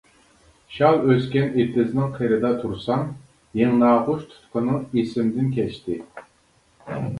شال ئۆسكەن ئېتىزنىڭ قىرىدا تۇرسام، يىڭناغۇچ تۇتقىنىڭ ئېسىمدىن كەچتى.